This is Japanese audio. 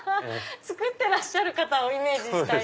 造ってらっしゃる方をイメージした色。